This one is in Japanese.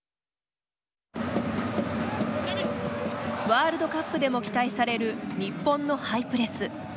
ワールドカップでも期待される日本のハイプレス。